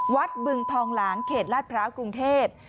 วัดบึงทองหลางเขตราชพระกรุงเทพฯ